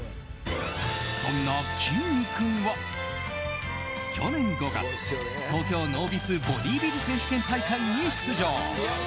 そんな、きんに君は去年５月、東京ノービスボディービル選手権大会に出場。